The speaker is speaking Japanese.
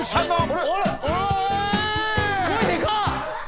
声でかっ。